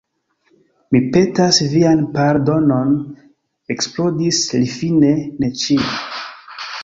Mi petas vian pardonon, eksplodis li fine, ne ĉiu!